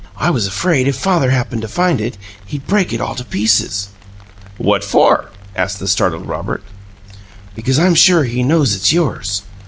"I was afraid if father happened to find it he'd break it all to pieces!" "What for?" asked the startled Robert. "Because I'm sure he knows it's yours."